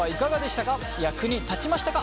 役に立ちましたか？